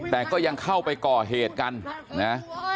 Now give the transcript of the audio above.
แต่ก็ยังเข้าไปก่อเหตุกันนะ